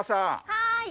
はい。